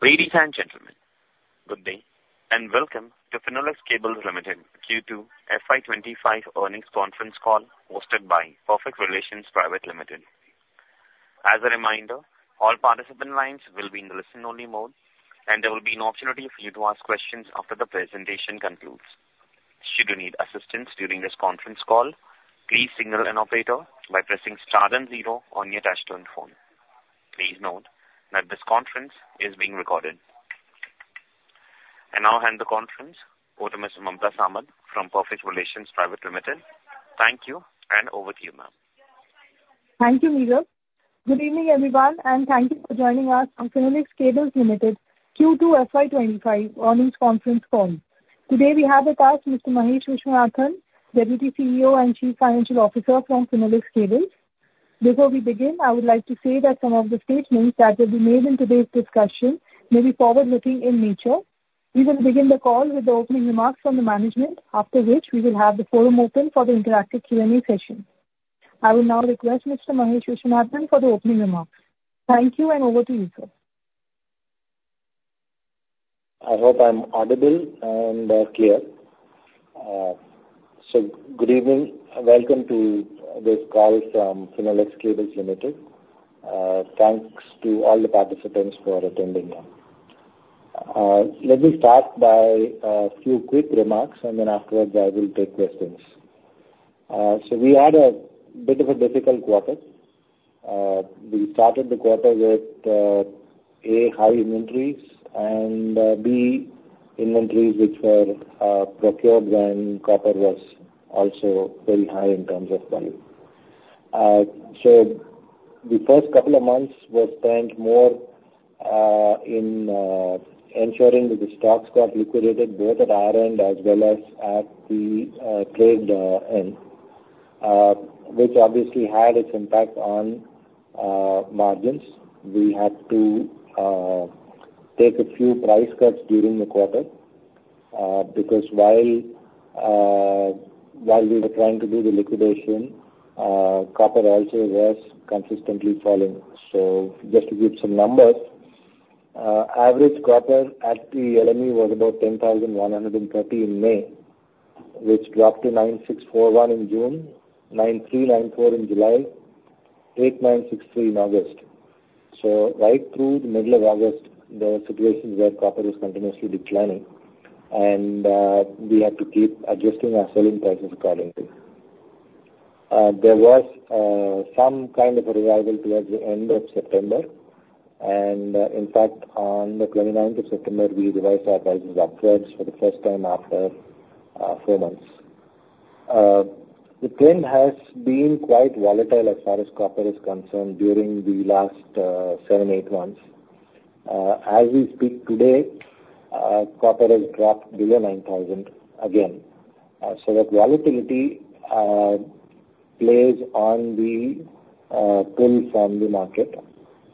Ladies and gentlemen, good day and welcome to Finolex Cables Limited Q2 FY 2025 earnings conference call hosted by Perfect Relations Private Limited. As a reminder, all participant lines will be in the listen-only mode, and there will be an opportunity for you to ask questions after the presentation concludes. Should you need assistance during this conference call, please signal an operator by pressing star and zero on your touch-tone phone. Please note that this conference is being recorded. And I'll hand the conference over to Ms. Mumtaz Ahmad from Perfect Relations Private Limited. Thank you, and over to you, ma'am. Thank you, Nico. Good evening, everyone, and thank you for joining us on Finolex Cables Limited Q2 FY 2025 earnings conference call. Today we have with us Mr. Mahesh Viswanathan, Deputy CEO and Chief Financial Officer from Finolex Cables. Before we begin, I would like to say that some of the statements that will be made in today's discussion may be forward-looking in nature. We will begin the call with the opening remarks from the management, after which we will have the forum open for the interactive Q&A session. I will now request Mr. Mahesh Viswanathan for the opening remarks. Thank you, and over to you, sir. I hope I'm audible and clear. Good evening. Welcome to this call from Finolex Cables Limited. Thanks to all the participants for attending. Let me start by a few quick remarks, and then afterwards I will take questions. We had a bit of a difficult quarter. We started the quarter with, A, high inventories, and B, inventories which were procured when copper was also very high in terms of value. The first couple of months were spent more in ensuring that the stocks got liquidated both at our end as well as at the trade end, which obviously had its impact on margins. We had to take a few price cuts during the quarter because while we were trying to do the liquidation, copper also was consistently falling. So just to give some numbers, average copper at the LME was about $10,130 in May, which dropped to $9,641 in June, $9,394 in July, $8,963 in August. So right through the middle of August, the situation was that copper was continuously declining, and we had to keep adjusting our selling prices accordingly. There was some kind of a revival towards the end of September, and in fact, on the 29th of September, we revised our prices upwards for the first time after four months. The trend has been quite volatile as far as copper is concerned during the last seven, eight months. As we speak today, copper has dropped below $9,000 again. So that volatility plays on the pull from the market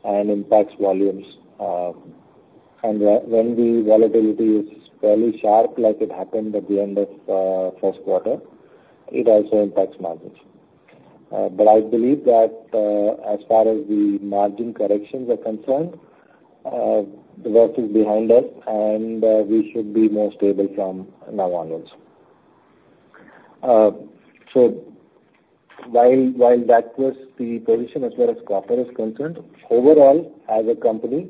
and impacts volumes. And when the volatility is fairly sharp, like it happened at the end of the first quarter, it also impacts margins. But I believe that as far as the margin corrections are concerned, the work is behind us, and we should be more stable from now onwards. So while that was the position as far as copper is concerned, overall, as a company,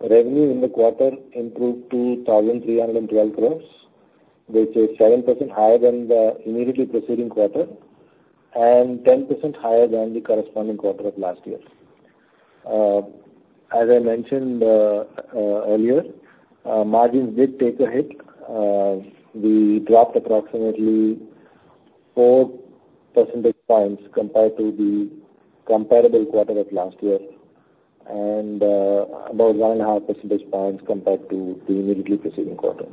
revenue in the quarter improved to 1,312 crores, which is 7% higher than the immediately preceding quarter and 10% higher than the corresponding quarter of last year. As I mentioned earlier, margins did take a hit. We dropped approximately 4 percentage points compared to the comparable quarter of last year and about 1.5 percentage points compared to the immediately preceding quarter.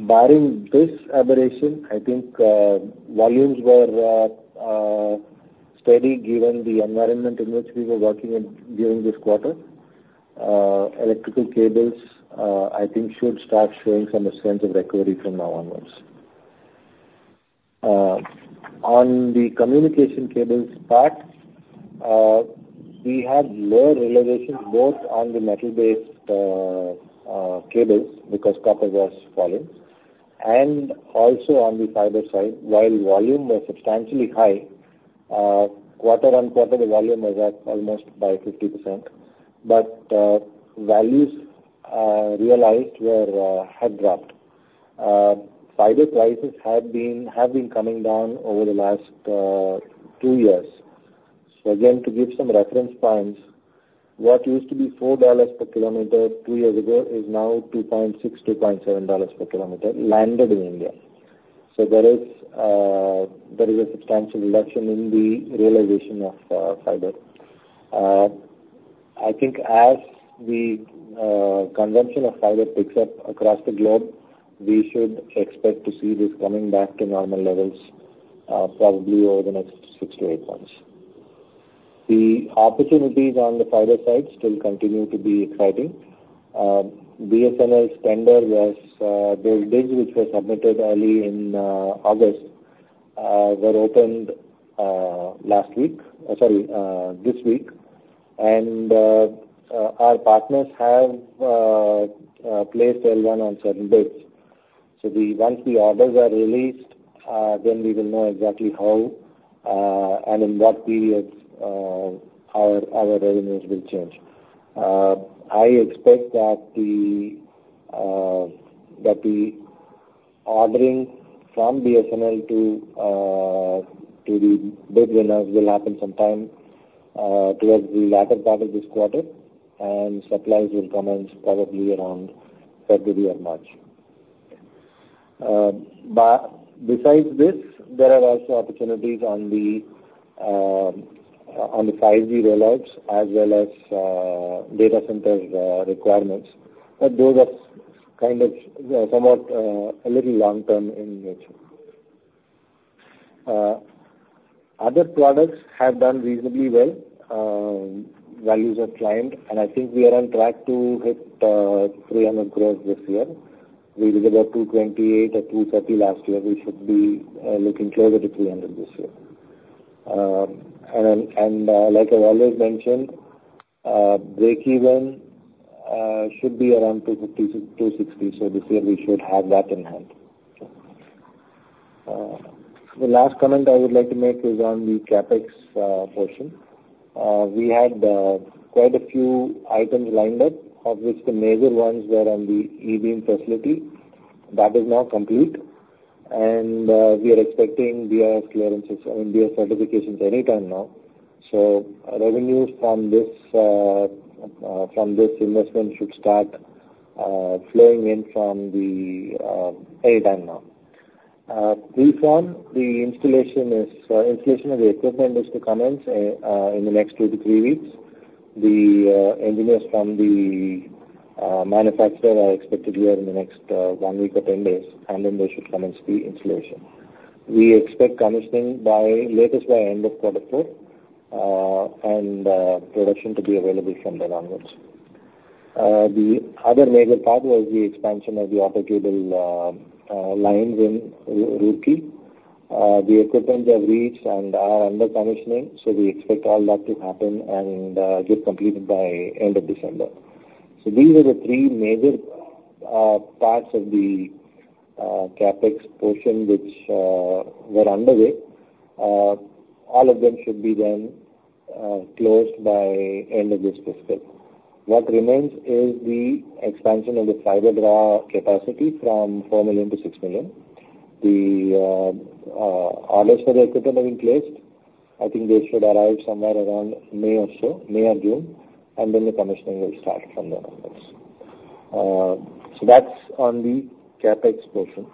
Barring this aberration, I think volumes were steady given the environment in which we were working during this quarter. Electrical cables, I think, should start showing some sense of recovery from now onwards. On the communication cables part, we had low realizations both on the metal-based cables because copper was falling and also on the fiber side. While volume was substantially high, quarter-on-quarter the volume was up almost by 50%, but values realized had dropped. Fiber prices have been coming down over the last two years. So again, to give some reference points, what used to be $4 per kilometer two years ago is now $2.6-$2.7 per kilometer landed in India. So there is a substantial reduction in the realization of fiber. I think as the consumption of fiber picks up across the globe, we should expect to see this coming back to normal levels probably over the next six to eight months. The opportunities on the fiber side still continue to be exciting. BSNL's tender was those bids which were submitted early in August were opened last week, sorry, this week, and our partners have won one on certain bids. So once the orders are released, then we will know exactly how and in what periods our revenues will change. I expect that the ordering from BSNL to the bid winners will happen sometime towards the latter part of this quarter, and supplies will come in probably around February or March. Besides this, there are also opportunities on the 5G rollouts as well as data center requirements, but those are kind of somewhat a little long-term in nature. Other products have done reasonably well, values of clients, and I think we are on track to hit 300 crores this year. We were about 228 or 230 last year. We should be looking closer to 300 this year. Like I've always mentioned, break-even should be around 250-260, so this year we should have that in hand. The last comment I would like to make is on the CapEx portion. We had quite a few items lined up, of which the major ones were on the E-Beam facility. That is now complete, and we are expecting BIS clearances, I mean, BIS certifications, anytime now. So revenues from this investment should start flowing in from anytime now. Preform, the installation of the equipment is to commence in the next two to three weeks. The engineers from the manufacturer are expected here in the next one week or 10 days, and then they should commence the installation. We expect commissioning latest by end of quarter four and production to be available from then onwards. The other major part was the expansion of the auto cable lines in Roorkee. The equipment they have reached and are under commissioning, so we expect all that to happen and get completed by end of December. So these are the three major parts of the CapEx portion which were underway. All of them should be then closed by end of this fiscal. What remains is the expansion of the fiber draw capacity from 4 million to 6 million. The orders for the equipment have been placed. I think they should arrive somewhere around May or June, and then the commissioning will start from then onwards. So that's on the CapEx portion.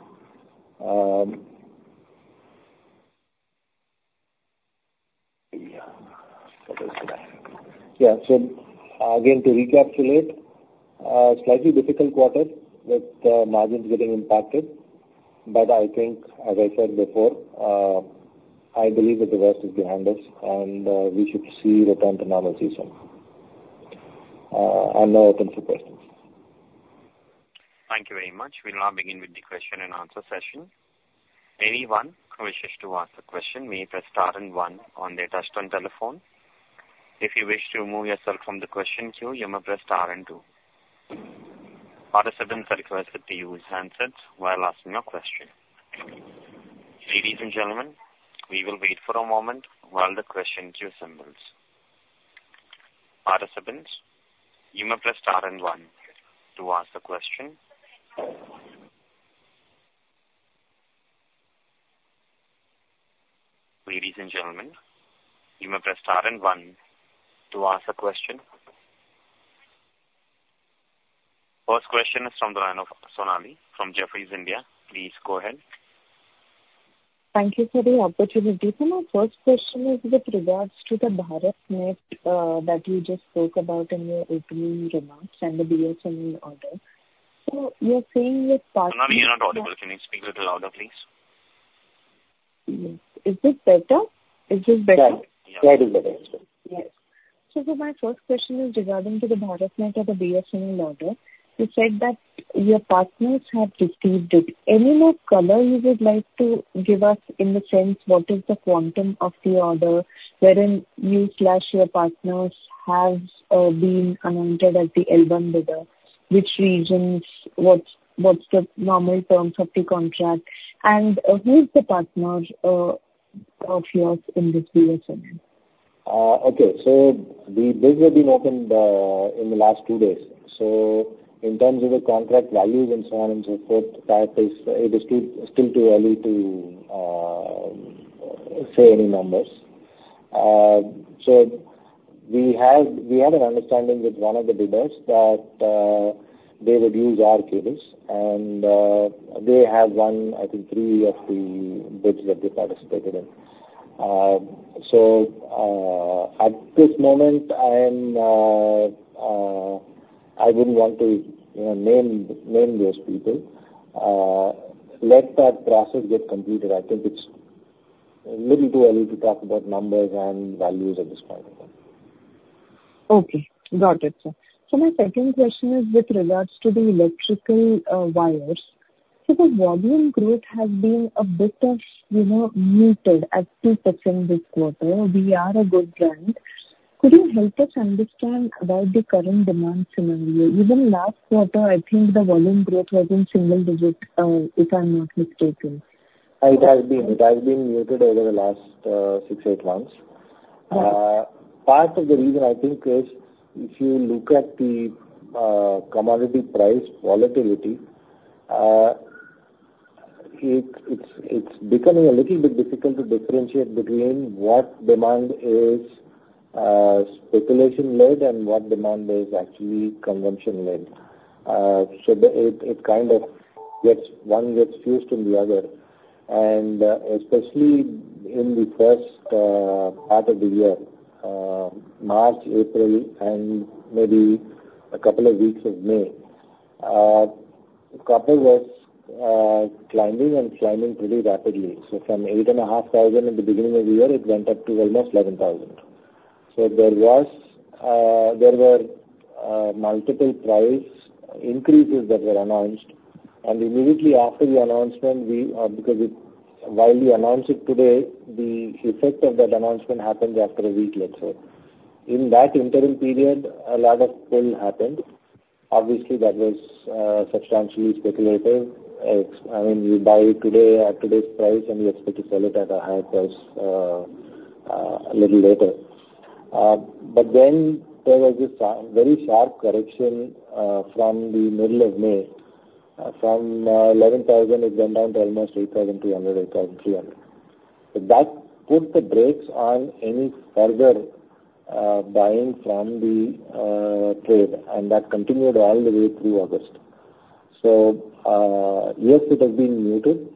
Yeah. So again, to recapitulate: slightly difficult quarter with margins getting impacted, but I think, as I said before, I believe that the worst is behind us, and we should see return to normal season. I'm now open for questions. Thank you very much. We'll now begin with the question and answer session. Anyone who wishes to ask a question may press star and one on their touch-tone telephone. If you wish to remove yourself from the question queue, you may press star and two. Participants are requested to use handsets while asking a question. Ladies and gentlemen, we will wait for a moment while the question queue assembles. Participants, you may press star and one to ask a question. Ladies and gentlemen, you may press star and one to ask a question. First question is from the line of Sonali from Jefferies India. Please go ahead. Thank you for the opportunity. My first question is with regards to the BharatNet that you just spoke about in your opening remarks and the BSNL order. So you're saying your partners- Sonali, you're not audible. Can you speak a little louder, please? Yes. Is this better? Is this better? Yeah. Yeah. Slightly better. Yes. So my first question is regarding to the BharatNet or the BSNL order. You said that your partners have received it. Any more color you would like to give us in the sense what is the quantum of the order wherein you or your partners have been announced as the L1 bidder? Which regions? What's the normal terms of the contract? And who is the partner of yours in this BSNL? Okay. So the bids have been opened in the last two days. So in terms of the contract values and so on and so forth, it is still too early to say any numbers. So we had an understanding with one of the bidders that they would use our cables, and they have won, I think, three of the bids that they participated in. So at this moment, I wouldn't want to name those people. Let that process get completed. I think it's a little too early to talk about numbers and values at this point in time. Okay. Got it, sir. So my second question is with regards to the electrical wires. So the volume growth has been a bit muted at 2% this quarter. We are a good brand. Could you help us understand about the current demand scenario? Even last quarter, I think the volume growth was in single digits, if I'm not mistaken. It has been muted over the last six, eight months. Part of the reason, I think, is if you look at the commodity price volatility, it's becoming a little bit difficult to differentiate between what demand is speculation-led and what demand is actually consumption-led. So it kind of one gets fused in the other, and especially in the first part of the year, March, April, and maybe a couple of weeks of May, copper was climbing and climbing pretty rapidly. So from $8,500 at the beginning of the year, it went up to almost $11,000. So there were multiple price increases that were announced, and immediately after the announcement, while we announced it today, the effect of that announcement happened after a week, let's say. In that interim period, a lot of pull happened. Obviously, that was substantially speculative. I mean, you buy it today at today's price, and you expect to sell it at a higher price a little later. But then there was this very sharp correction from the middle of May. From 11,000, it went down to almost 8,200, 8,300. So that put the brakes on any further buying from the trade, and that continued all the way through August. So yes, it has been muted,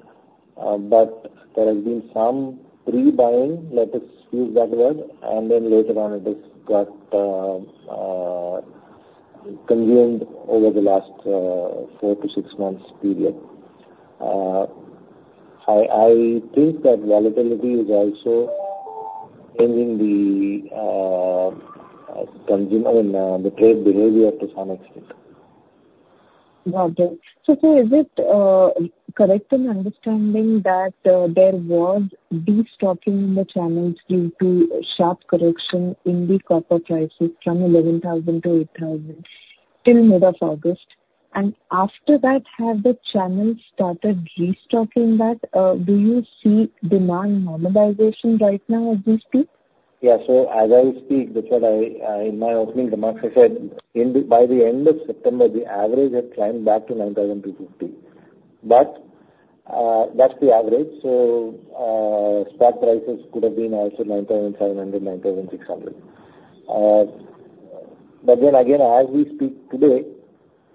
but there has been some pre-buying, let us use that word, and then later on, it has got consumed over the last four to six months' period. I think that volatility is also changing the trade behavior to some extent. Got it. So is it correct in understanding that there was destocking in the channels due to sharp correction in the copper prices from 11,000-8,000 till mid-August? And after that, have the channels started restocking that? Do you see demand normalization right now at these peaks? Yeah. So as I speak, in my opening remarks, I said by the end of September, the average had climbed back to $9,250. But that's the average. So spot prices could have been also $9,700, $9,600. But then again, as we speak today,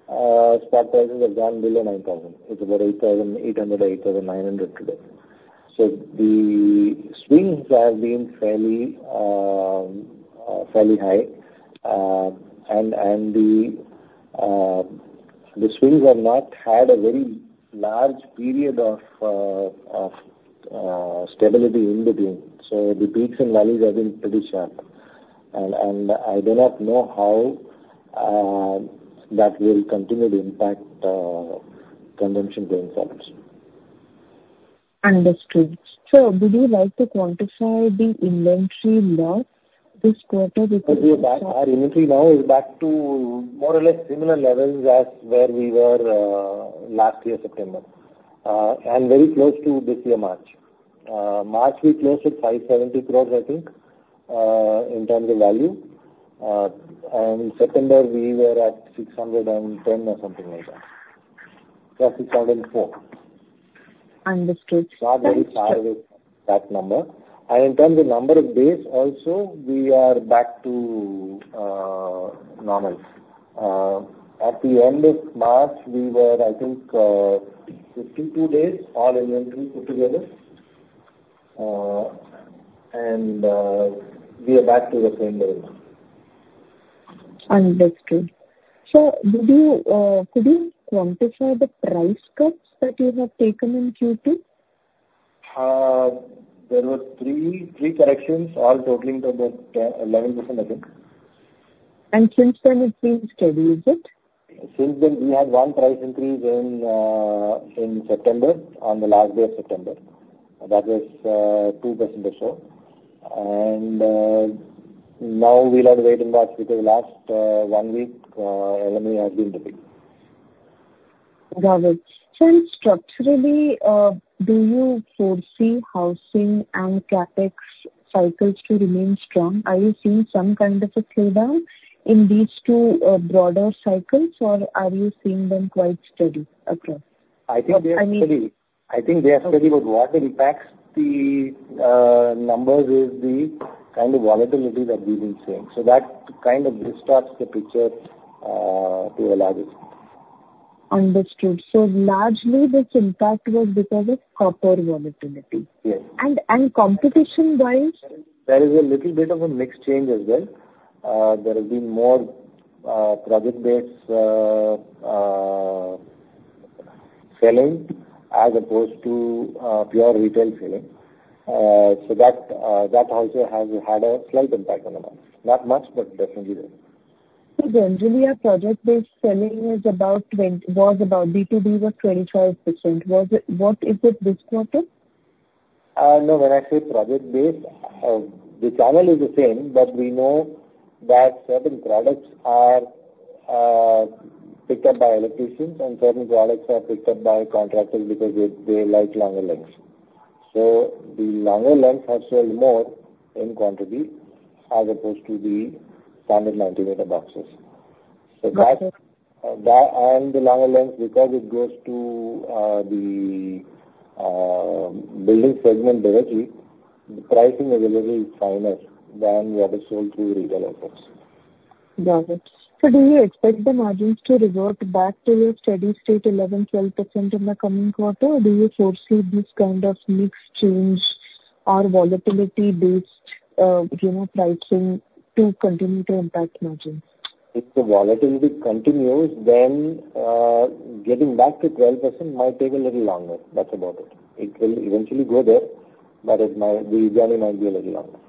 spot prices have gone below $9,000. It's about $8,800-$8,900 today. So the swings have been fairly high, and the swings have not had a very large period of stability in between. So the peaks and valleys have been pretty sharp. And I do not know how that will continue to impact conventional-grade sales. Understood. Would you like to quantify the inventory loss this quarter? Our inventory now is back to more or less similar levels as where we were last year, September, and very close to this year, March. March we closed at 570 crores, I think, in terms of value. And September, we were at 610 or something like that, 604. Understood. So we are very far away from that number. And in terms of number of days, also, we are back to normal. At the end of March, we were, I think, 52 days, all inventory put together, and we are back to the same level. Understood. So could you quantify the price cuts that you have taken in Q2? There were three corrections, all totaling to about 11%, I think. Since then, it's been steady, is it? Since then, we had one price increase in September, on the last day of September. That was 2% or so, and now we'll have to wait and watch because the last one week, LME has been dipping. Got it. So structurally, do you foresee housing and CapEx cycles to remain strong? Are you seeing some kind of a slowdown in these two broader cycles, or are you seeing them quite steady across? I think they are steady. I think they are steady, but what impacts the numbers is the kind of volatility that we've been seeing. So that kind of distorts the picture to a large extent. Understood. So largely, this impact was because of copper volatility. Yes. And competition-wise? There is a little bit of a mixed change as well. There have been more project-based selling as opposed to pure retail selling. So that also has had a slight impact on the market. Not much, but definitely there. So generally, our project-based selling was about B2B was 25%. What is it this quarter? No. When I say project-based, the channel is the same, but we know that certain products are picked up by electricians, and certain products are picked up by contractors because they like longer lengths. So the longer lengths have sold more in quantity as opposed to the standard 90-meter boxes. So that and the longer length, because it goes to the building segment directly, the pricing is a little finer than what is sold through retail outlets. Got it. So do you expect the margins to revert back to a steady state 11%-12% in the coming quarter, or do you foresee this kind of mixed change or volatility-based pricing to continue to impact margins? If the volatility continues, then getting back to 12% might take a little longer. That's about it. It will eventually go there, but the journey might be a little longer.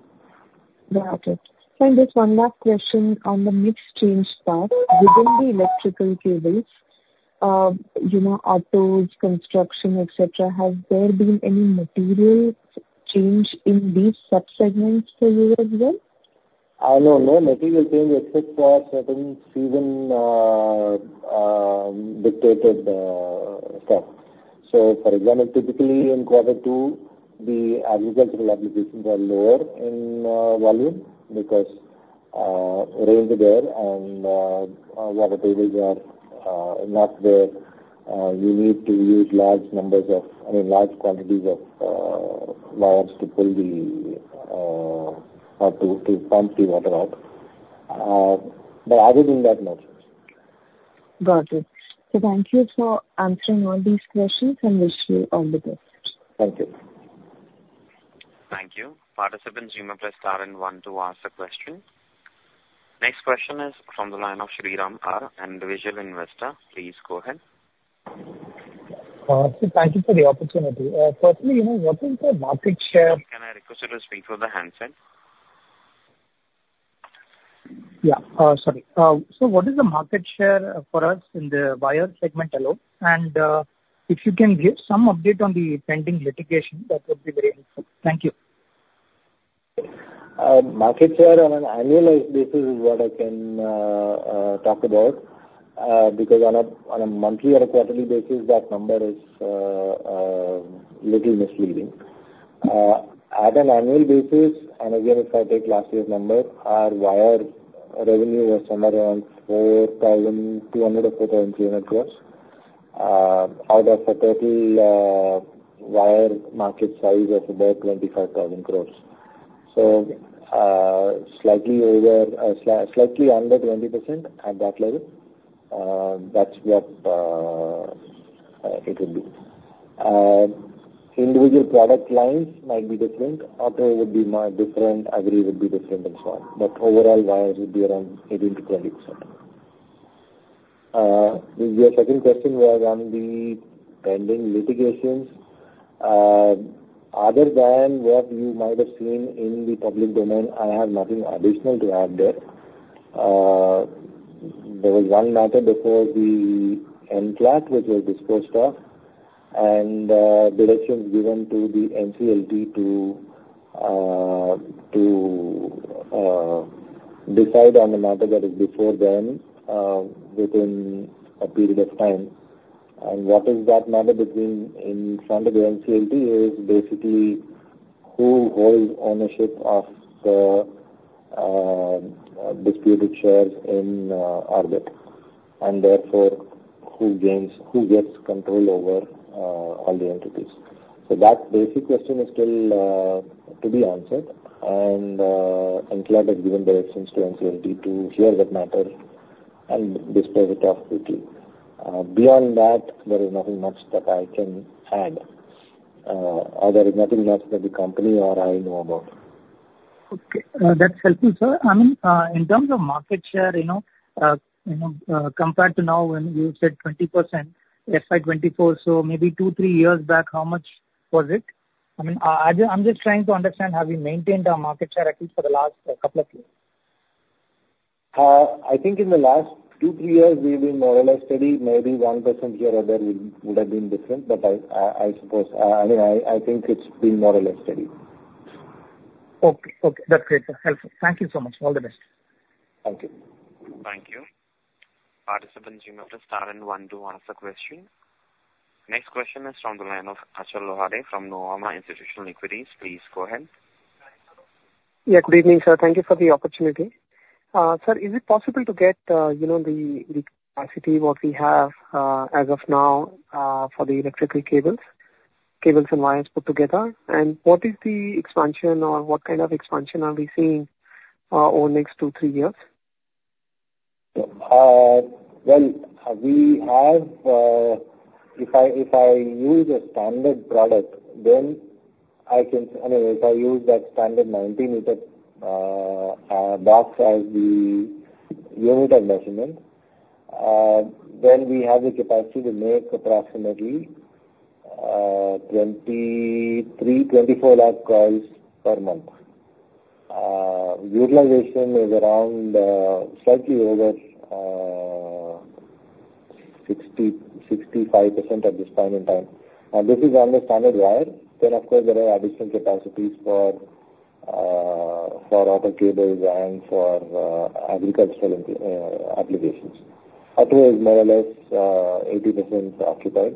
Got it. So I just one last question on the mixed change part. Within the electrical cables, autos, construction, etc., has there been any material change in these subsegments for you as well? No. No material change except for certain season-dictated stuff. So for example, typically in quarter two, the agricultural applications are lower in volume because rains are there, and water tables are not where you need to use large numbers of, I mean, large quantities of wires to pump the water out. But other than that, no change. Got it. So thank you for answering all these questions, and wish you all the best. Thank you. Thank you. Participants, you may press star and one to ask a question. Next question is from the line of Sriram R., an individual investor. Please go ahead. Thank you for the opportunity. Firstly, what is the market share? Can I request you to speak into the handset? Yeah. Sorry, so what is the market share for us in the wire segment alone, and if you can give some update on the pending litigation, that would be very helpful. Thank you. Market share on an annualized basis is what I can talk about because on a monthly or a quarterly basis, that number is a little misleading. On an annual basis, and again, if I take last year's number, our wire revenue was somewhere around 4,200 crores or 4,300 crores out of a total wire market size of about 25,000 crores. So slightly under 20% at that level. That's what it would be. Individual product lines might be different. Autos would be different. Agri would be different and so on. But overall, wires would be around 18%-20%. Your second question was on the pending litigations. Other than what you might have seen in the public domain, I have nothing additional to add there. There was one matter before the NCLAT, which was disposed of, and directions given to the NCLT to decide on the matter that is before them within a period of time, and what is that matter in front of the NCLT is basically who holds ownership of the disputed shares in Orbit and therefore who gets control over all the entities. So that basic question is still to be answered, and NCLAT has given directions to NCLT to hear that matter and dispose it off quickly. Beyond that, there is nothing much that I can add. There is nothing much that the company or I know about. Okay. That's helpful, sir. I mean, in terms of market share, compared to now when you said 20%, FY 2024, so maybe two, three years back, how much was it? I mean, I'm just trying to understand how we maintained our market share at least for the last couple of years. I think in the last two, three years, we've been more or less steady. Maybe 1% here or there would have been different, but I suppose I mean, I think it's been more or less steady. Okay. Okay. That's great. That's helpful. Thank you so much. All the best. Thank you. Thank you. Participants, you may press star and one to ask a question. Next question is from the line of Achal Lohade from Nuvama Institutional Equities. Please go ahead. Yeah. Good evening, sir. Thank you for the opportunity. Sir, is it possible to get the capacity, what we have as of now, for the electrical cables, cables and wires put together? And what is the expansion or what kind of expansion are we seeing over the next two, three years? If I use a standard product, then I mean, if I use that standard 90-meter box as the unit of measurement, then we have the capacity to make approximately 23-24 lakh coils per month. Utilization is around slightly over 60%-65% at this point in time. And this is on the standard wire. Then, of course, there are additional capacities for auto cables and for agricultural applications. Autos is more or less 80% occupied.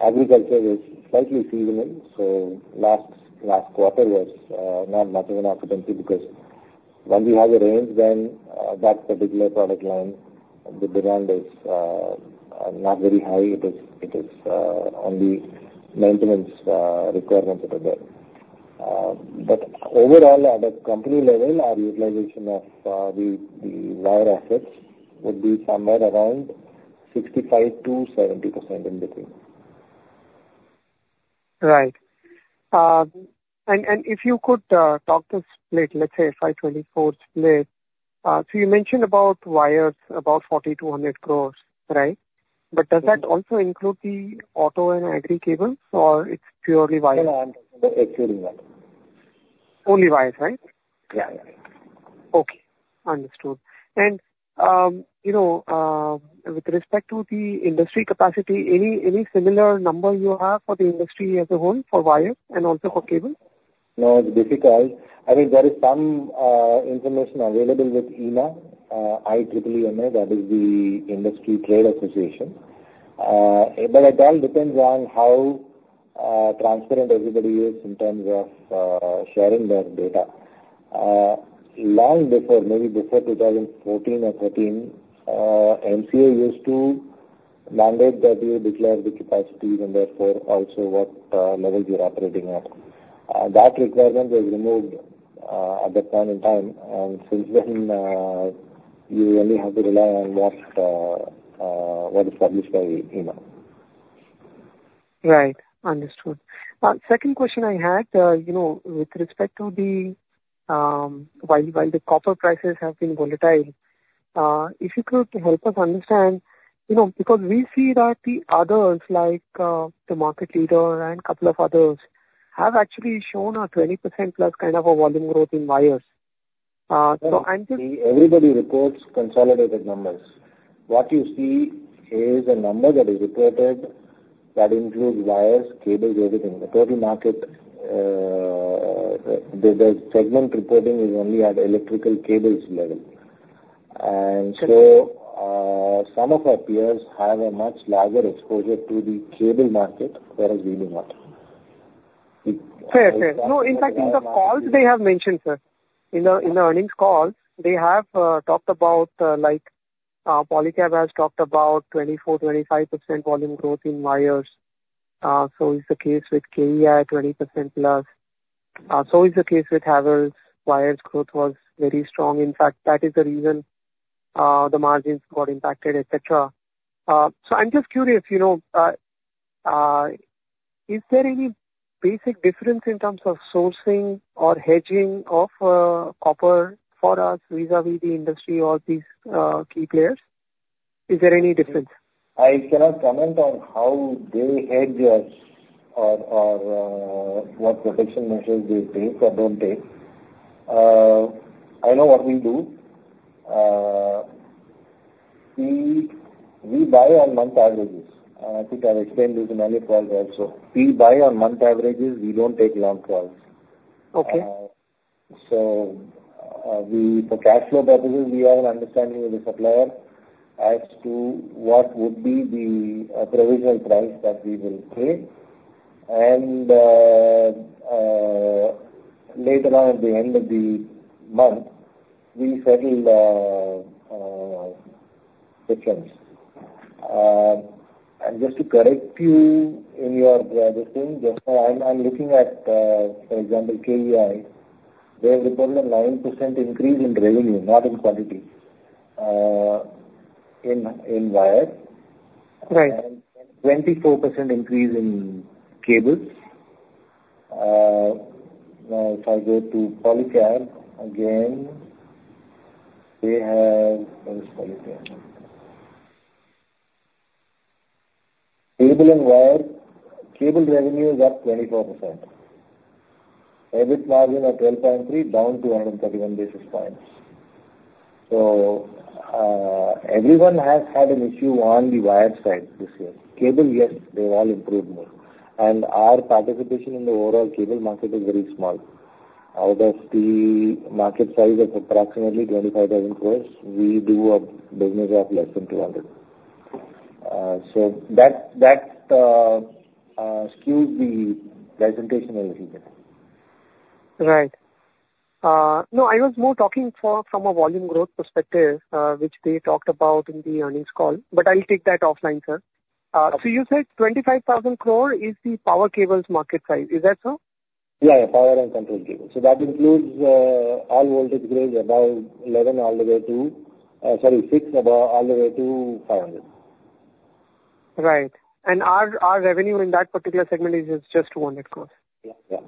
Agriculture is slightly seasonal, so last quarter was not much of an occupancy because when we have a rain, then that particular product line, the demand is not very high. It is only maintenance requirements that are there. But overall, at a company level, our utilization of the wire assets would be somewhere around 65%-70% in between. Right. And if you could talk the split, let's say FY 2024 split, so you mentioned about wires, about 4,200 crores, right? But does that also include the auto and agri cables, or it's purely wires? No, no. It's purely wires. Only wires, right? Yeah. Okay. Understood. And with respect to the industry capacity, any similar number you have for the industry as a whole for wires and also for cables? No. It's difficult. I mean, there is some information available with IEEMA, IEEMA, that is the industry trade association. But it all depends on how transparent everybody is in terms of sharing their data. Long before, maybe before 2014 or 2013, MCA used to mandate that you declare the capacities and therefore also what level you're operating at. That requirement was removed at that point in time. And since then, you only have to rely on what is published by IEEMA. Right. Understood. Second question I had, with respect to the while the copper prices have been volatile, if you could help us understand, because we see that the others, like the market leader and a couple of others, have actually shown a 20% plus kind of a volume growth in wires. So I'm just. Everybody reports consolidated numbers. What you see is a number that is reported that includes wires, cables, everything. The total market, the segment reporting is only at electrical cables level. And so some of our peers have a much larger exposure to the cable market, whereas we do not. Fair. Fair. No. In fact, in the calls, they have mentioned, sir. In the earnings calls, they have talked about. Polycab has talked about 24%-25% volume growth in wires. So it's the case with KEI, 20% plus. So it's the case with Havells. Wires growth was very strong. In fact, that is the reason the margins got impacted, etc. So I'm just curious, is there any basic difference in terms of sourcing or hedging of copper for us vis-à-vis the industry or these key players? Is there any difference? I cannot comment on how they hedge us or what protection measures they take or don't take. I know what we do. We buy on month averages. I think I've explained this in other calls also. We buy on month averages. We don't take long calls. So for cash flow purposes, we have an understanding of the supplier as to what would be the provisional price that we will pay. And later on at the end of the month, we settle the terms. And just to correct you in your understanding, I'm looking at, for example, KEI. They have reported a 9% increase in revenue, not in quantity, in wires, and 24% increase in cables. Now, if I go to Polycab, again, they have where is Polycab? Cable and wires, cable revenue is up 24%. EBIT margin of 12.3, down to 131 basis points. So everyone has had an issue on the wire side this year. Cable, yes, they've all improved more. And our participation in the overall cable market is very small. Out of the market size of approximately 25,000 crores, we do a business of less than 200 crores. So that skews the presentation a little bit. Right. No, I was more talking from a volume growth perspective, which they talked about in the earnings call. But I'll take that offline, sir. So you said 25,000 crore is the power cables market size. Is that so? Yeah. Power and control cables. So that includes all voltage grades above 11 all the way to, sorry, 6 all the way to 500. Right. And our revenue in that particular segment is just 200 crores? Yeah. Yeah.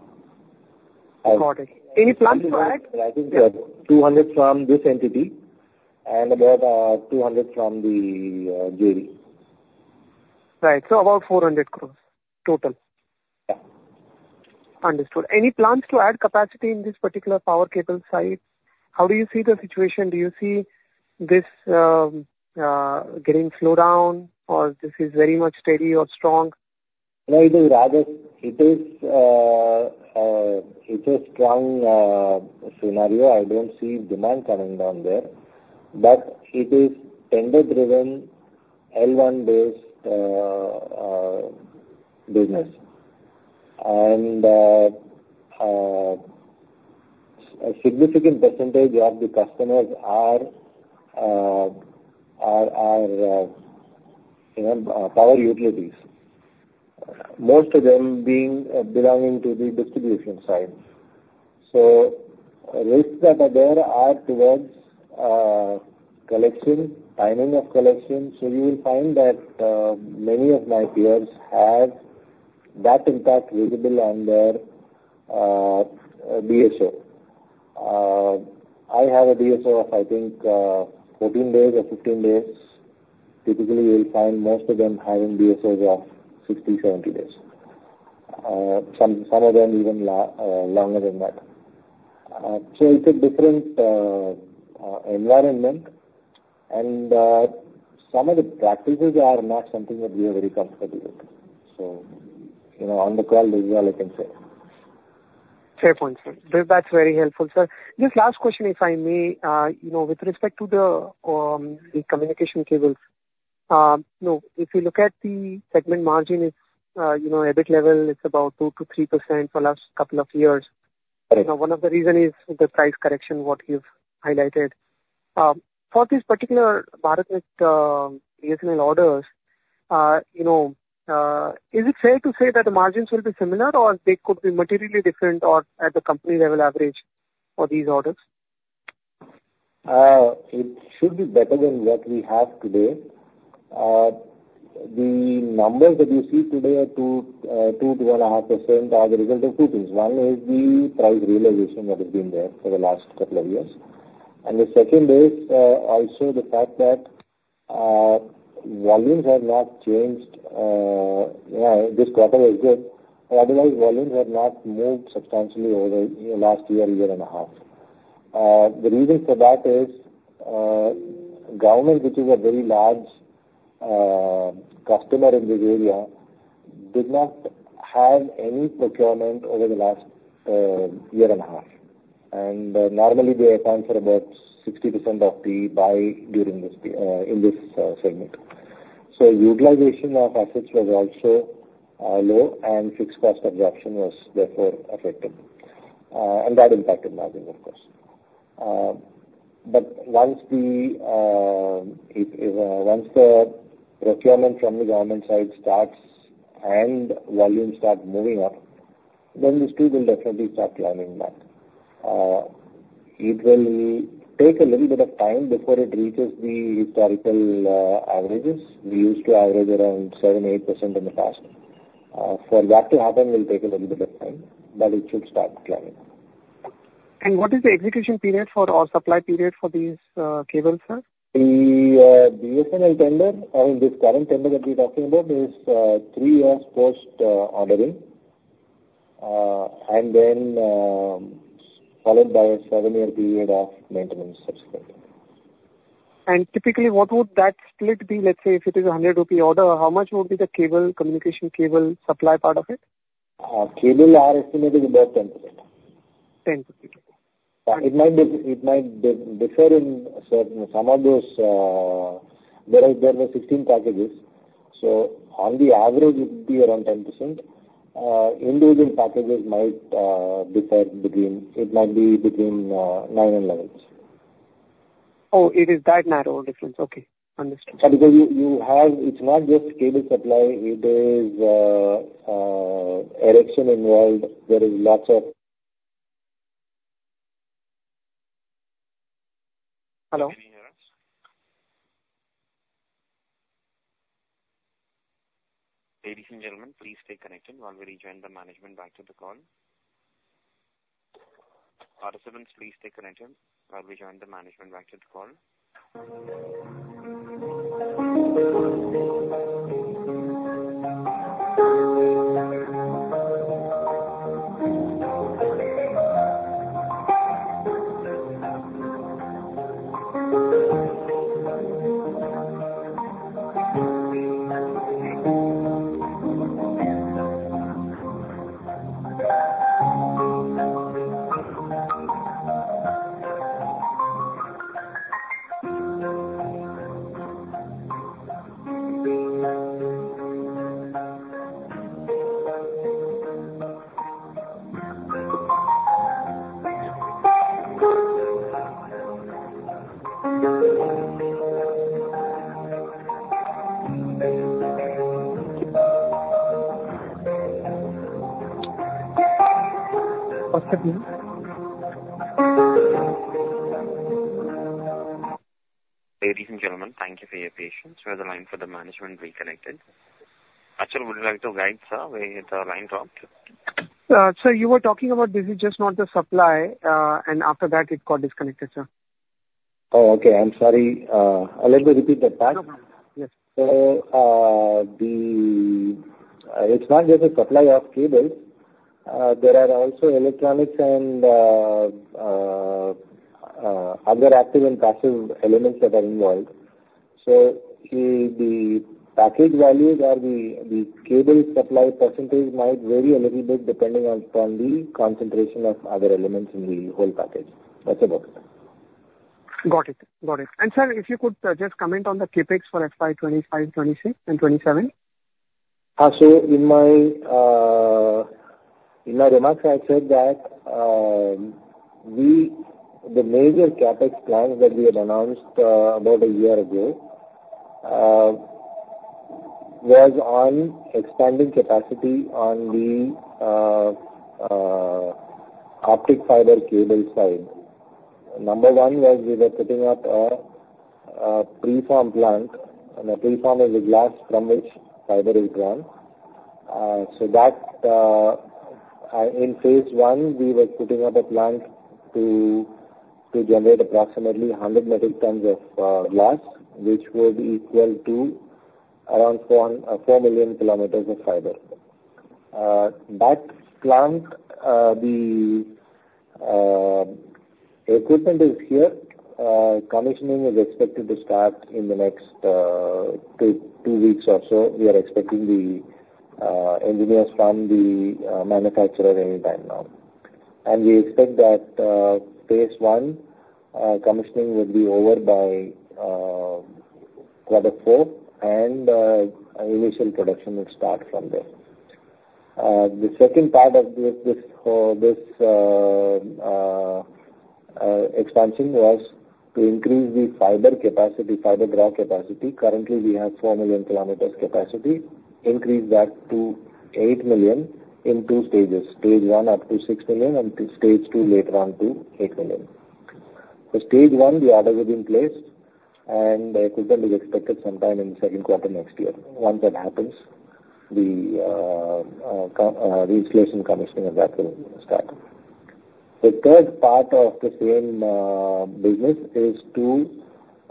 Got it. Any plans to add? I think 200 from this entity and about 200 from the JV. Right. So about 400 crores total? Yeah. Understood. Any plans to add capacity in this particular power cable site? How do you see the situation? Do you see this getting slowed down, or this is very much steady or strong? Right. It is a strong scenario. I don't see demand coming down there. But it is tender-driven, L1-based business. And a significant percentage of the customers are power utilities, most of them belonging to the distribution side. So risks that are there are towards collection, timing of collection. So you will find that many of my peers have that impact visible on their DSO. I have a DSO of, I think, 14 days or 15 days. Typically, you will find most of them having DSOs of 60, 70 days. Some of them even longer than that. So it's a different environment. And some of the practices are not something that we are very comfortable with. So on the call, this is all I can say. Fair point, sir. That's very helpful, sir. Just last question, if I may, with respect to the communication cables, if you look at the segment margin, EBIT level is about 2%-3% for the last couple of years. One of the reasons is the price correction, what you've highlighted. For this particular BharatNet BSNL orders, is it fair to say that the margins will be similar, or they could be materially different or at the company-level average for these orders? It should be better than what we have today. The numbers that you see today are 2%-2.5% as a result of two things. One is the price realization that has been there for the last couple of years. And the second is also the fact that volumes have not changed. This quarter was good. Otherwise, volumes have not moved substantially over the last year, year and a half. The reason for that is government, which is a very large customer in this area, did not have any procurement over the last year and a half. And normally, they account for about 60% of the buy during this segment. So utilization of assets was also low, and fixed cost absorption was therefore affected. And that impacted margins, of course. But once the procurement from the government side starts and volumes start moving up, then these two will definitely start climbing back. It will take a little bit of time before it reaches the historical averages. We used to average around 7%-8% in the past. For that to happen, it will take a little bit of time, but it should start climbing. What is the execution period for or supply period for these cables, sir? The BSNL tender, I mean, this current tender that we're talking about, is three years post-ordering, and then followed by a seven-year period of maintenance subsequently. Typically, what would that split be? Let's say if it is an 100 rupee order, how much would be the cable, communication cable supply part of it? Cables are estimated about 10%. 10%. It might differ in some of those. There were 16 packages. So on the average, it would be around 10%. Individual packages might differ between 9% and 11%. Oh, it is that narrow a difference. Okay. Understood. Because it's not just cable supply. It is erection involved. There is lots of. Hello? Can you hear us? Ladies and gentlemen, please stay connected while we rejoin the management back to the call. Participants, please stay connected while we join the management back to the call. What's the deal? Ladies and gentlemen, thank you for your patience. We have the line for the management reconnected. Actually, would you like to wait, sir, while the line dropped? Sir, you were talking about this is just not the supply, and after that, it got disconnected, sir. Oh, okay. I'm sorry. Let me repeat that back. No problem. Yes. So it's not just the supply of cables. There are also electronics and other active and passive elements that are involved. So the package values or the cable supply percentage might vary a little bit depending upon the concentration of other elements in the whole package. That's about it. Got it. Got it. And sir, if you could just comment on the CapEx for FY 2025, 2026, and 2027? In my remarks, I said that the major CapEx plans that we had announced about a year ago was on expanding capacity on the optic fiber cable side. Number one was we were putting up a preform plant. And a preform is the glass from which fiber is drawn. So in phase one, we were putting up a plant to generate approximately 100 metric tons of glass, which would equal to around 4 million kilometers of fiber. That plant, the equipment is here. Commissioning is expected to start in the next two weeks or so. We are expecting the engineers from the manufacturer anytime now. And we expect that phase one commissioning will be over by quarter four, and initial production will start from there. The second part of this expansion was to increase the fiber capacity, fiber draw capacity. Currently, we have 4 million kilometers capacity. Increase that to eight million in two stages. Phase one up to six million and stage two later on to eight million. For stage one, the orders have been placed, and the equipment is expected sometime in the second quarter next year. Once that happens, the installation commissioning of that will start. The third part of the same business is to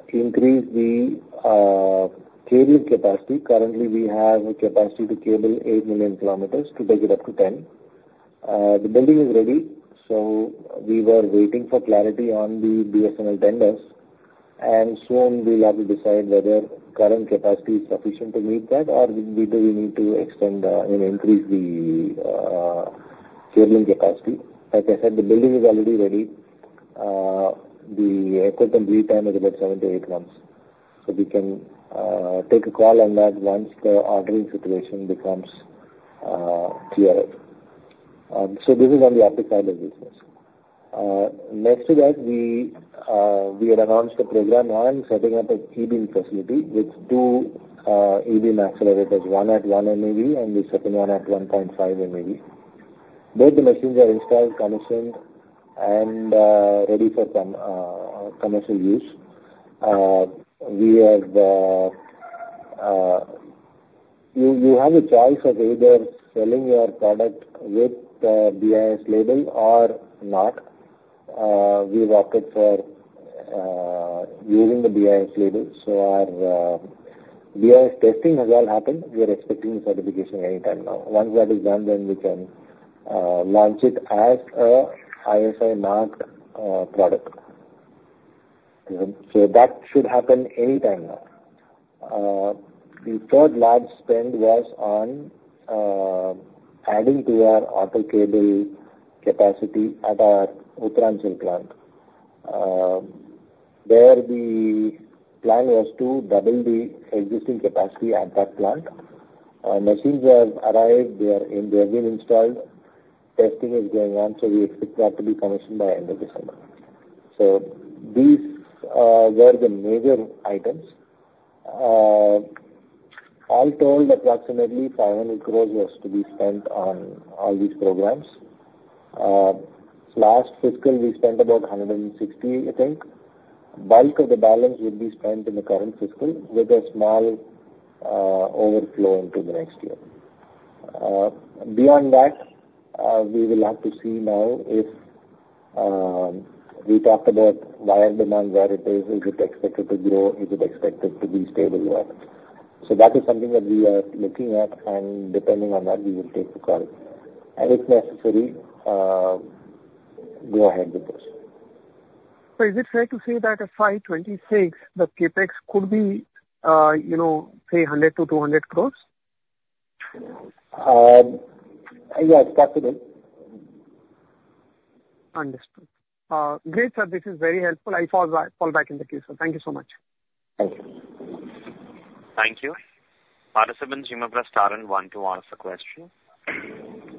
increase the cable capacity. Currently, we have a capacity to cable eight million kilometers to take it up to 10. The building is ready, so we were waiting for clarity on the BSNL tenders. And soon, we'll have to decide whether current capacity is sufficient to meet that, or do we need to extend and increase the cabling capacity. Like I said, the building is already ready. The equipment lead time is about seven to eight months. So we can take a call on that once the ordering situation becomes clearer. So this is on the optic fiber business. Next to that, we had announced the program on setting up an E-Beam facility with two E-Beam accelerators, one at 1 MEV, and the second one at 1.5 MEV. Both the machines are installed, commissioned, and ready for commercial use. You have a choice of either selling your product with the BIS label or not. We've opted for using the BIS label. So our BIS testing has all happened. We are expecting certification anytime now. Once that is done, then we can launch it as an ISI-marked product. So that should happen anytime now. The third large spend was on adding to our auto cable capacity at our Uttarakhand plant, where the plan was to double the existing capacity at that plant. Machines have arrived. They have been installed. Testing is going on. So we expect that to be commissioned by end of December. So these were the major items. All told, approximately 500 crores was to be spent on all these programs. Last fiscal, we spent about 160 crores, I think. Bulk of the balance would be spent in the current fiscal, with a small overflow into the next year. Beyond that, we will have to see now if we talked about wire demand, where it is, is it expected to grow, is it expected to be stable? So that is something that we are looking at. And depending on that, we will take the call. And if necessary, go ahead with this. So is it fair to say that FY 2026, the CapEx could be, say, 100-200 crores? Yeah, it's possible. Understood. Great, sir. This is very helpful. I'll fall back in the case of. Thank you so much. Thank you. Thank you. Participants, you may press star and one to ask a question.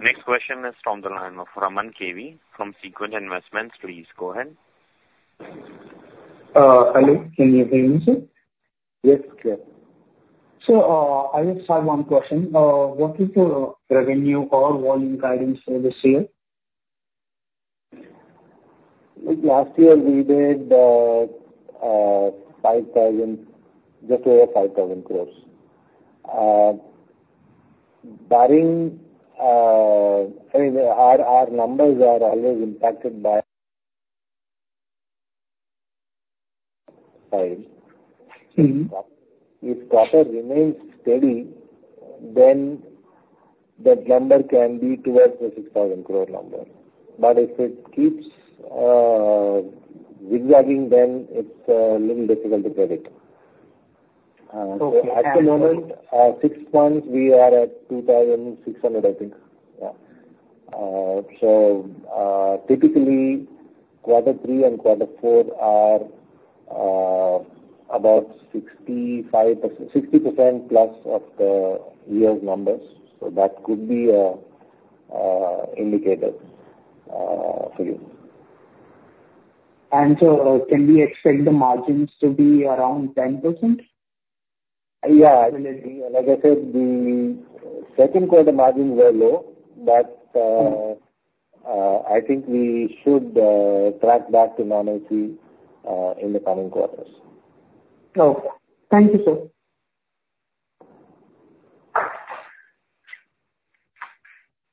Next question is from the line of Raman KV from Sequent Investments. Please go ahead. Hello. Can you hear me, sir? Yes, clear. So I just have one question. What is the revenue or volume guidance for this year? Last year, we did 5,000, just over 5,000 crores. I mean, our numbers are always impacted by. Sorry. If quarter remains steady, then that number can be towards the 6,000 crore number. But if it keeps zigzagging, then it's a little difficult to predict. So at the moment, six months, we are at 2,600, I think. Yeah. So typically, quarter three and quarter four are about 60% plus of the year's numbers. So that could be an indicator for you. And so can we expect the margins to be around 10%? Yeah. Like I said, the second quarter margins were low, but I think we should track back to non-MC in the coming quarters. Okay. Thank you, sir.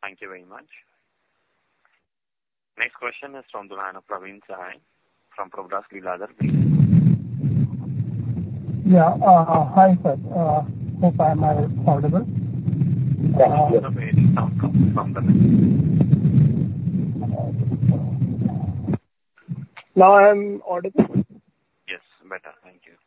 Thank you very much. Next question is from the line of Praveen Sahay from Prabhudas Lilladher, please. Yeah. Hi, sir. Hope I'm audible. Now I am audible? Yes. Better. Thank you.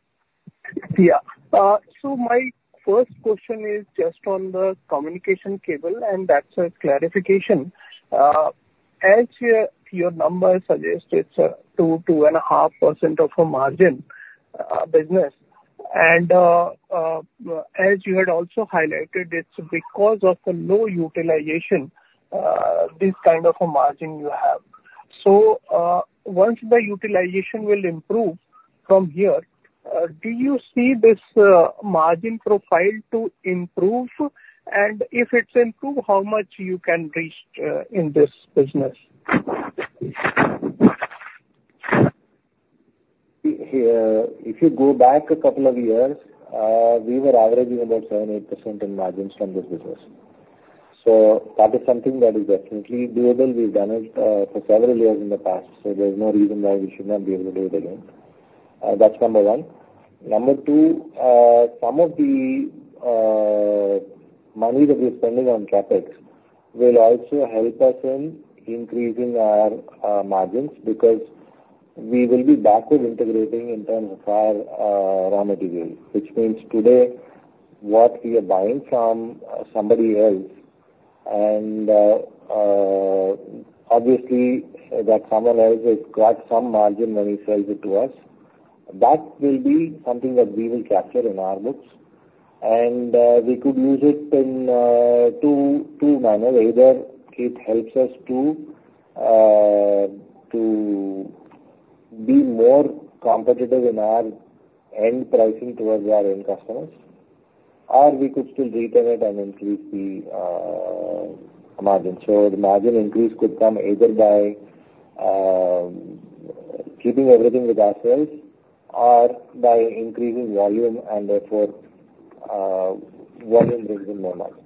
Yeah. So my first question is just on the communication cable, and that's a clarification. As your number suggests, it's 2-2.5% of a margin business. And as you had also highlighted, it's because of the low utilization, this kind of a margin you have. So once the utilization will improve from here, do you see this margin profile to improve? And if it's improved, how much you can reach in this business? If you go back a couple of years, we were averaging about 7-8% in margins from this business. So that is something that is definitely doable. We've done it for several years in the past. So there's no reason why we should not be able to do it again. That's number one. Number two, some of the money that we're spending on CapEx will also help us in increasing our margins because we will be backward integrating in terms of our raw materials, which means today what we are buying from somebody else, and obviously that someone else has got some margin when he sells it to us, that will be something that we will capture in our books. And we could use it in two manners. Either it helps us to be more competitive in our end pricing towards our end customers, or we could still retain it and increase the margin. So the margin increase could come either by keeping everything with ourselves or by increasing volume, and therefore volume brings in more margins.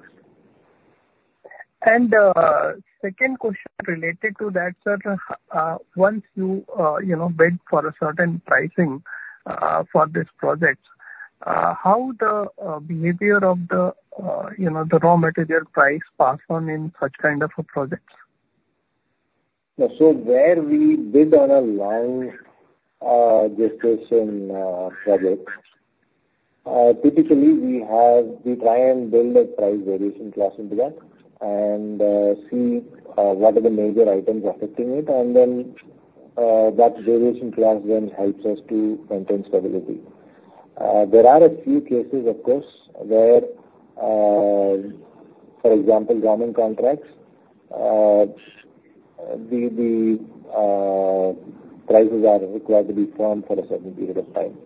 Second question related to that, sir. Once you bid for a certain pricing for this project, how the behavior of the raw material price passed on in such kind of a project? So where we bid on a long-distance project, typically we try and build a price variation clause into that and see what are the major items affecting it. And then that variation clause then helps us to maintain stability. There are a few cases, of course, where, for example, roaming contracts, the prices are required to be firm for a certain period of time.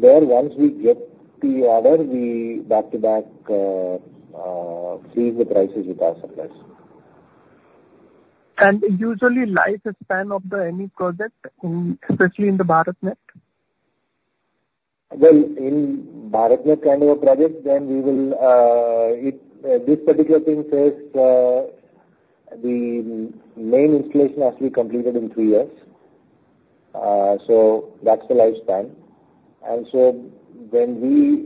There, once we get the order, we back-to-back freeze the prices with our suppliers. Usually, lifespan of any project, especially in the BharatNet? In BharatNet kind of a project, then we will this particular thing says the main installation has to be completed in three years. So that's the lifespan. And so when we,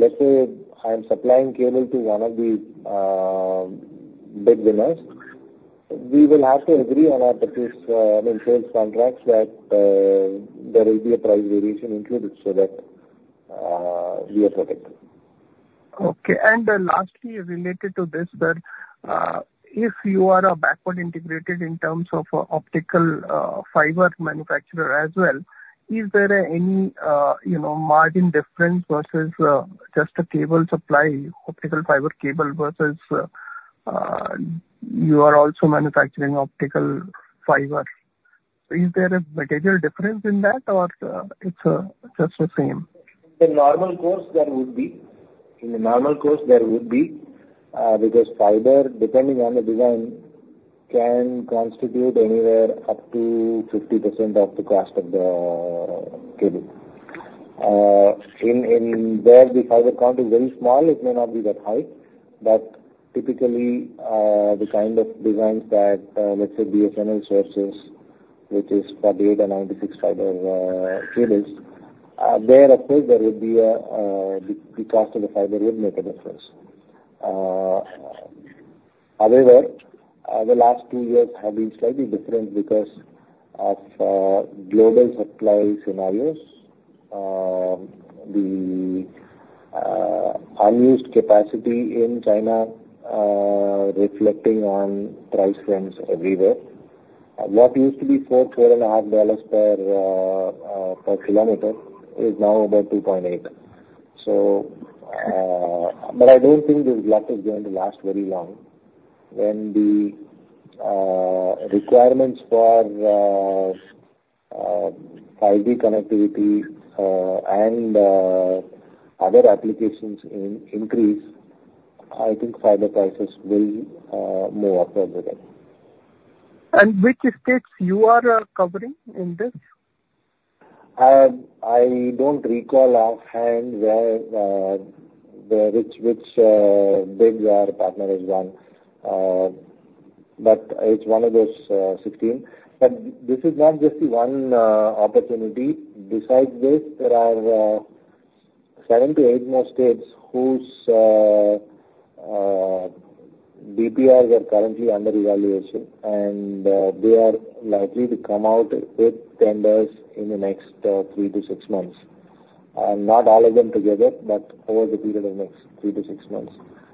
let's say, I'm supplying cable to one of these big winners, we will have to agree on our purchase, I mean, sales contracts that there will be a price variation included so that we are protected. Okay. And lastly, related to this, sir, if you are a backward integrated in terms of optical fiber manufacturer as well, is there any margin difference versus just a cable supply, optical fiber cable versus you are also manufacturing optical fiber? Is there a material difference in that, or it's just the same? In the normal course, there would be. In the normal course, there would be because fiber, depending on the design, can constitute anywhere up to 50% of the cost of the cable. In cases where the fiber count is very small, it may not be that high. But typically, the kind of designs that, let's say, BSNL sources, which is 48 or 96 fiber cables, there, of course, there would be the cost of the fiber would make a difference. However, the last two years have been slightly different because of global supply scenarios. The unused capacity in China reflecting on price trends everywhere. What used to be $4-$4.5 per kilometer is now about $2.8. But I don't think this low is going to last very long. When the requirements for 5G connectivity and other applications increase, I think fiber prices will move upward with it. Which states you are covering in this? I don't recall offhand which bids our partner has won. But it's one of those 16. But this is not just the one opportunity. Besides this, there are seven to eight more states whose DPRs are currently under evaluation. And they are likely to come out with tenders in the next three to six months. Not all of them together, but over the period of the next three to six months.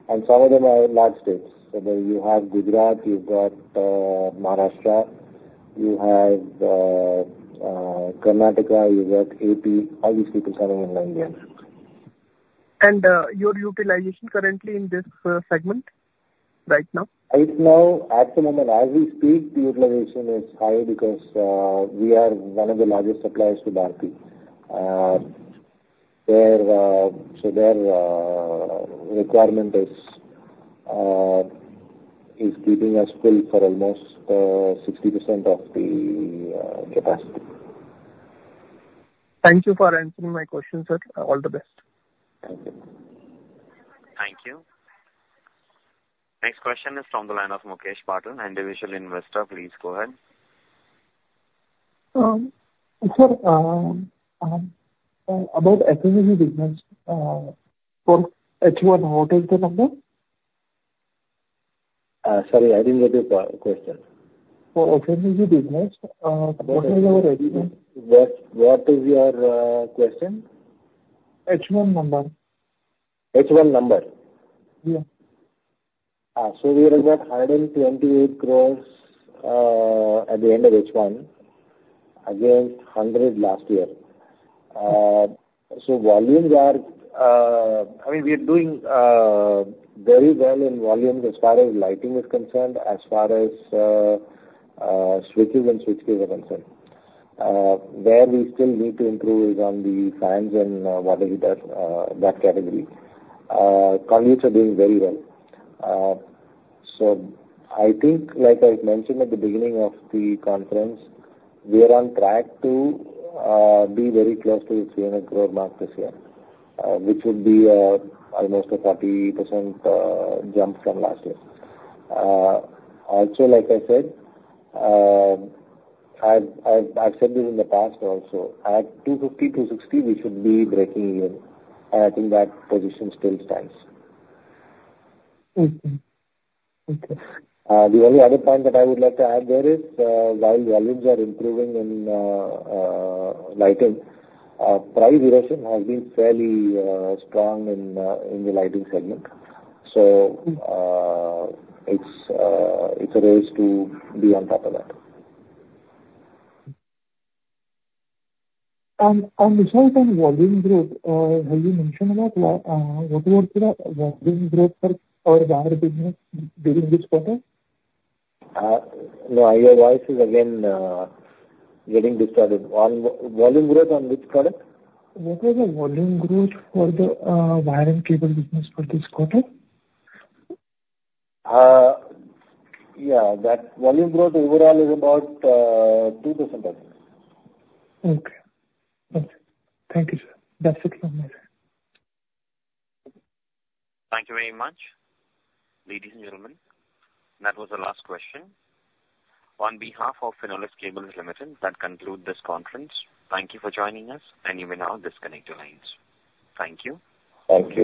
And some of them are large states. So you have Gujarat, you've got Maharashtra, you have Karnataka, you've got AP, all these people coming in line here. Your utilization currently in this segment right now? Right now, at the moment, as we speak, the utilization is high because we are one of the largest suppliers to Bharati. So their requirement is keeping us full for almost 60% of the capacity. Thank you for answering my question, sir. All the best. Thank you. Thank you. Next question is from the line of Mukesh Patil, individual investor. Please go ahead. Sir, about FMEG business, for H1, what is the number? Sorry, I didn't get your question. For FMEG business, what is your revenue? What is your question? H1 number. H1 number? Yeah. So we are at 128 crores at the end of H1 against 100 crores last year. So volumes are I mean, we are doing very well in volumes as far as lighting is concerned, as far as switches and switch case are concerned. Where we still need to improve is on the fans and water heater, that category. Conduits are doing very well. So I think, like I mentioned at the beginning of the conference, we are on track to be very close to the 300 crore mark this year, which would be almost a 40% jump from last year. Also, like I said, I've said this in the past also, at 250-260, we should be breaking even. And I think that position still stands. The only other point that I would like to add there is, while volumes are improving in lighting, price erosion has been fairly strong in the lighting segment. So it's a race to be on top of that. At the same time, volume growth, have you mentioned that? What was the volume growth for wire business during this quarter? No, your voice is again getting distorted. Volume growth on which product? What was the volume growth for the wiring cable business for this quarter? Yeah. Volume growth overall is about 2%. Okay. Thank you, sir. That's it from my side. Thank you very much, ladies and gentlemen. That was the last question. On behalf of Finolex Cables Limited, that concludes this conference. Thank you for joining us, and you may now disconnect your lines. Thank you. Thank you.